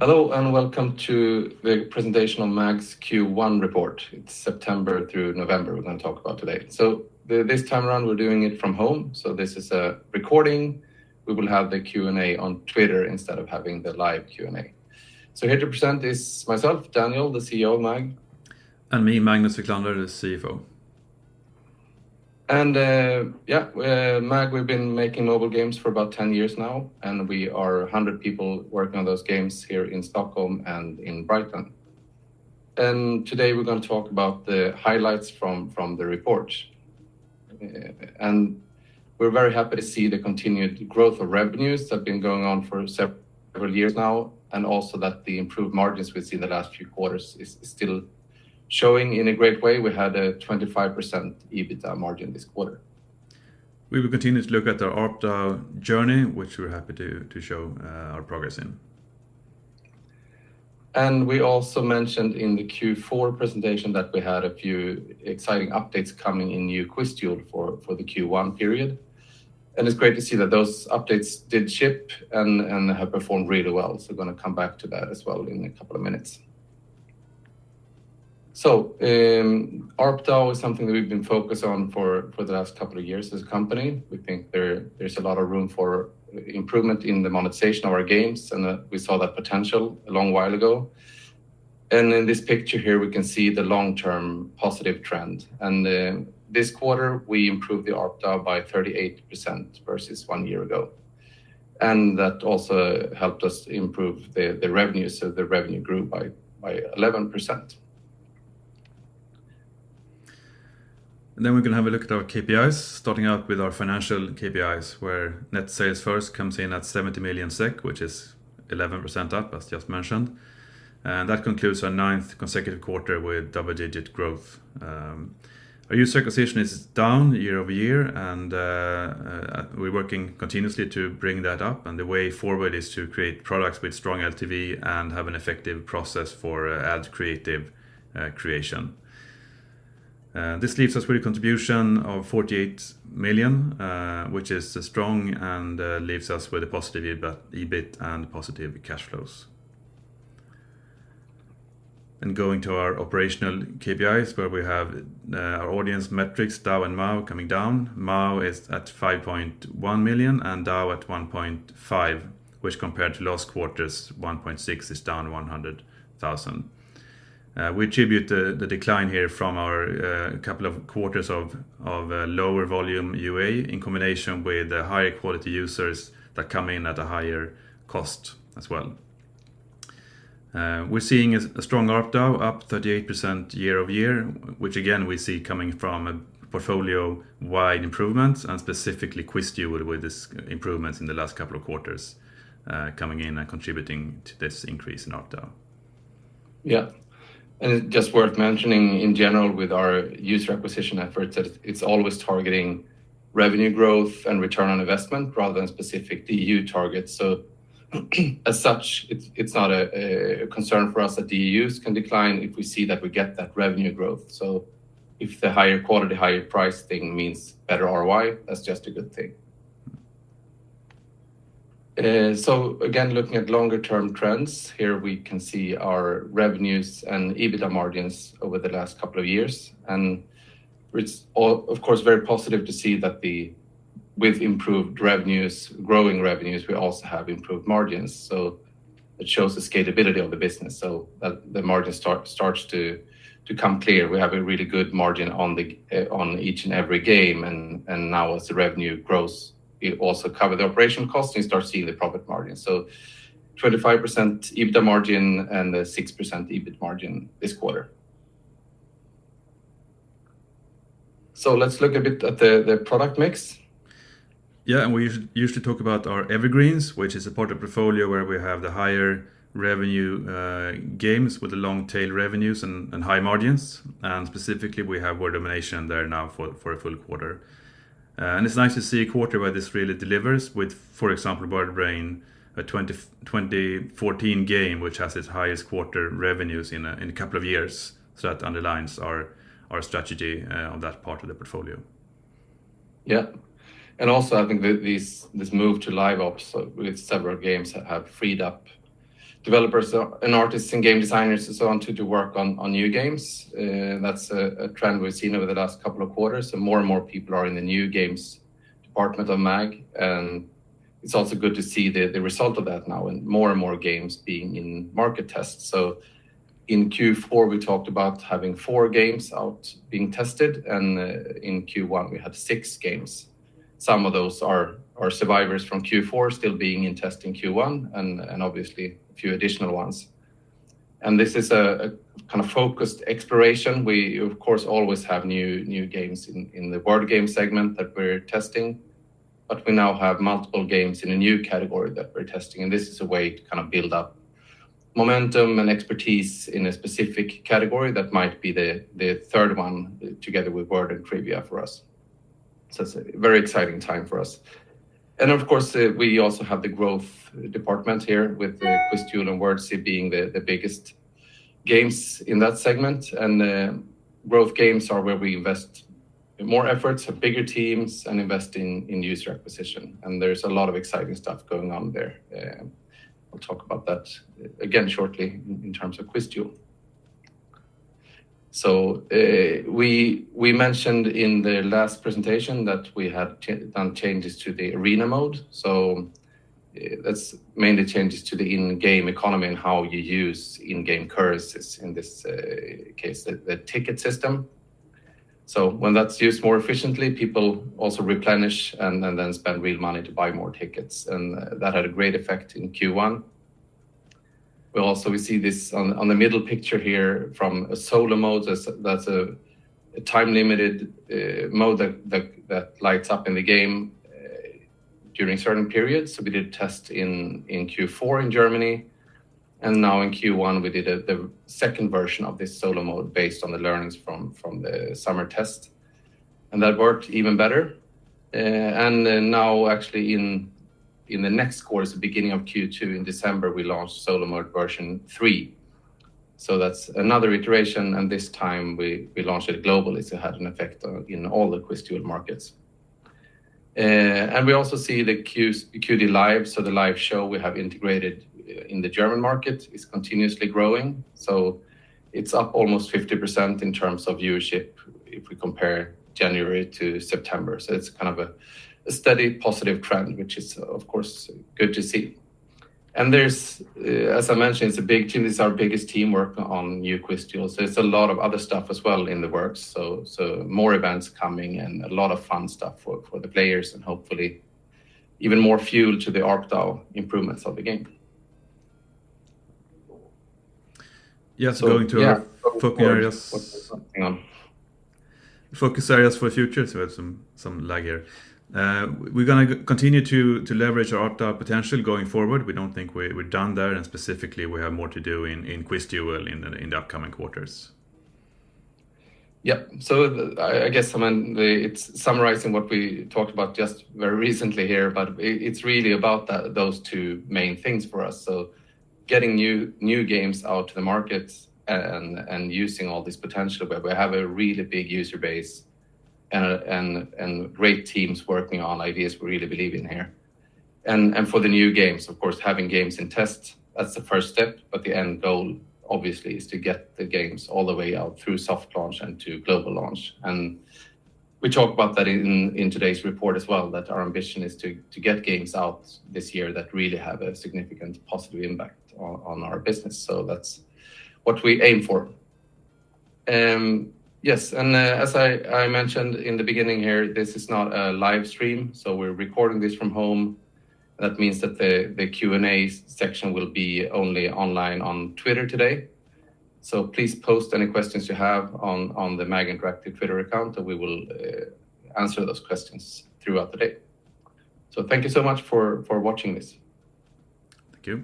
Hello, and welcome to the presentation on MAG's Q1 report. It's September through November we're gonna talk about today. This time around we're doing it from home, so this is a recording. We will have the Q&A on Twitter instead of having the live Q&A. Here to present is myself, Daniel, the CEO of MAG. Me, Magnus Wiklander, the CFO. MAG, we've been making mobile games for about 10 years now, and we are 100 people working on those games here in Stockholm and in Brighton. Today we're gonna talk about the highlights from the report. We're very happy to see the continued growth of revenues that have been going on for several years now, and also that the improved margins we see in the last few quarters is still showing in a great way. We had a 25% EBITDA margin this quarter. We will continue to look at our ARPDAU journey, which we're happy to show our progress in. We also mentioned in the Q4 presentation that we had a few exciting updates coming in new QuizDuel for the Q1 period. It's great to see that those updates did ship and have performed really well. Gonna come back to that as well in a couple of minutes. ARPDAU is something that we've been focused on for the last couple of years as a company. We think there's a lot of room for improvement in the monetization of our games, and we saw that potential a long while ago. In this picture here, we can see the long-term positive trend. This quarter we improved the ARPDAU by 38% versus one year ago. That also helped us improve the revenues, so the revenue grew by 11%. Then we can have a look at our KPIs, starting out with our financial KPIs, where net sales first comes in at 70 million SEK, which is 11% up, as just mentioned. That concludes our ninth consecutive quarter with double-digit growth. Our user acquisition is down year over year, and we're working continuously to bring that up, and the way forward is to create products with strong LTV and have an effective process for ad creative creation. This leaves us with a contribution of 48 million, which is strong and leaves us with a positive EBIT and positive cash flows. Going to our operational KPIs, where we have our audience metrics, DAU and MAU coming down. MAU is at 5.1 million and DAU at 1.5, which compared to last quarter's 1.6 is down 100,000. We attribute the decline here from our couple of quarters of lower volume UA in combination with the higher quality users that come in at a higher cost as well. We're seeing a strong ARPDAU up 38% year-over-year, which again, we see coming from portfolio-wide improvements and specifically QuizDuel with its improvements in the last couple of quarters, coming in and contributing to this increase in ARPDAU. Yeah. Just worth mentioning in general with our user acquisition efforts that it's always targeting revenue growth and return on investment rather than specific DU targets. As such, it's not a concern for us that DUs can decline if we see that we get that revenue growth. If the higher quality, higher price thing means better ROI, that's just a good thing. Again, looking at longer term trends, here we can see our revenues and EBITDA margins over the last couple of years. It's of course very positive to see that with improved revenues, growing revenues, we also have improved margins. It shows the scalability of the business. That the margin starts to come clear. We have a really good margin on each and every game, and now as the revenue grows, it also cover the operational costs and you start seeing the profit margin. 25% EBITDA margin and a 6% EBIT margin this quarter. Let's look a bit at the product mix. Yeah, we usually talk about our Evergreens, which is a part of portfolio where we have the higher revenue games with the long tail revenues and high margins. Specifically, we have Word Domination there now for a full quarter. It's nice to see a quarter where this really delivers with, for example, WordBrain, a 2014 game which has its highest quarter revenues in a couple of years. That underlines our strategy on that part of the portfolio. Yeah. Also I think this move to live ops with several games have freed up developers and artists and game designers and so on to work on new games. That's a trend we've seen over the last couple of quarters, and more and more people are in the new games department of MAG. It's also good to see the result of that now and more and more games being in market tests. In Q4, we talked about having four games out being tested, and in Q1 we have six games. Some of those are survivors from Q4 still being in test in Q1 and obviously a few additional ones. This is a kind of focused exploration. We of course always have new games in the word game segment that we're testing, but we now have multiple games in a new category that we're testing, and this is a way to kind of build up momentum and expertise in a specific category that might be the third one together with word and trivia for us. It's a very exciting time for us. Of course, we also have the growth department here with the QuizDuel and Word Domination being the biggest games in that segment. Growth games are where we invest more efforts, have bigger teams, and investing in user acquisition. There's a lot of exciting stuff going on there. I'll talk about that again shortly in terms of QuizDuel. We mentioned in the last presentation that we had done changes to the arena mode. That's mainly changes to the in-game economy and how you use in-game currencies, in this case, the ticket system. When that's used more efficiently, people also replenish and then spend real money to buy more tickets, and that had a great effect in Q1. We also see this on the middle picture here from a solo mode that's a time-limited mode that lights up in the game during certain periods. We did a test in Q4 in Germany, and now in Q1, we did the second version of this solo mode based on the learnings from the summer test. That worked even better. Now actually in the next quarter, so beginning of Q2 in December, we launched solo mode version three. That's another iteration, and this time we launched it globally, so it had an effect in all the QuizDuel markets. We also see the QuizDuel Live, so the live show we have integrated in the German market is continuously growing. It's up almost 50% in terms of viewership if we compare January to September. It's kind of a steady positive trend, which is of course good to see. There's, as I mentioned, it's a big team. This is our biggest team working on new QuizDuel, so it's a lot of other stuff as well in the works, more events coming and a lot of fun stuff for the players and hopefully even more fuel to our DAU improvements of the game. Yes, going to our focus areas. Hang on. Focus areas for future. We have some lack here. We're gonna continue to leverage our ARPDAU potential going forward. We don't think we're done there, and specifically, we have more to do in QuizDuel in the upcoming quarters. Yeah. I guess, Simon, it's summarizing what we talked about just very recently here, but it's really about those two main things for us. Getting new games out to the market and using all this potential where we have a really big user base and great teams working on ideas we really believe in here. For the new games, of course, having games in tests, that's the first step, but the end goal obviously is to get the games all the way out through soft launch and to global launch. We talked about that in today's report as well, that our ambition is to get games out this year that really have a significant positive impact on our business. That's what we aim for. Yes, as I mentioned in the beginning here, this is not a live stream, so we're recording this from home. That means that the Q&A section will be only online on Twitter today. Please post any questions you have on the MAG Interactive Twitter account, and we will answer those questions throughout the day. Thank you so much for watching this. Thank you.